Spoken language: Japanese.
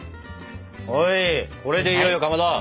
はいこれでいよいよかまど。